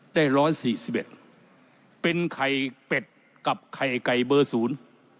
ได้ร้อยสี่สิบเอ็ดเป็นไข่เป็ดกับไข่ไก่เบอร์ศูนย์